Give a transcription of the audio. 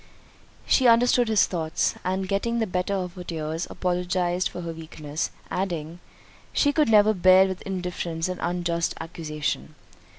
She understood his thoughts, and getting the better of her tears, apologised for her weakness; adding, "She could never bear with indifference an unjust accusation."